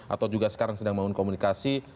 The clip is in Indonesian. atau juga sekarang sedang membangun komunikasi